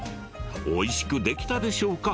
おいしくできたでしょうか。